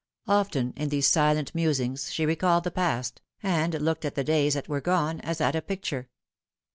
Often in these silent musings she recalled the past, and looked at the days that were gone as at a picture.